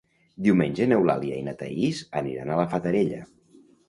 Diumenge n'Eulàlia i na Thaís aniran a la Fatarella.